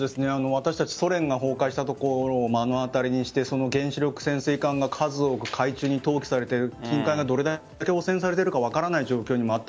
私たち、ソ連が崩壊したところを目の当たりにして原子力潜水艦が海中に投棄されて船体がどれだけ汚染されているか分からない状況です。